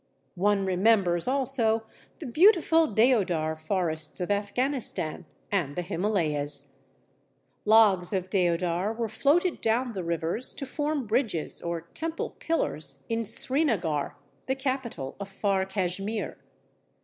One remembers also the beautiful Deodar forests of Afghanistan, and the Himalayas. Logs of deodar were floated down the rivers to form bridges or temple pillars in Srinagar, the capital of far Cashmere.